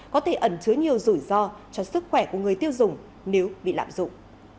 có thể ẩn chứa nhiều rủi ro cho sức khỏe của người tiêu dùng nếu bị lạm dụng